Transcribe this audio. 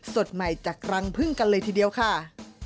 สดใหม่จากรังพึ่งกันเลยทีเดียวค่ะ